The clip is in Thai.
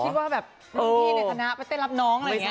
ว่าแบบรุ่นพี่ในคณะไปเต้นรับน้องอะไรอย่างนี้